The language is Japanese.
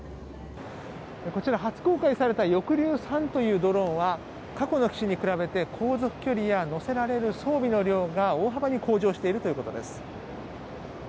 こちら、初公開された翼竜３というドローンは過去の機種に比べて航続距離や載せられる装備の量が大幅に向上しているということです。